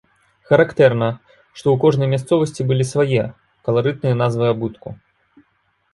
Характэрна, што ў кожнай мясцовасці былі свае, каларытныя назвы абутку.